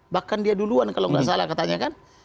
bahkan dia duluan kalau nggak salah katanya kan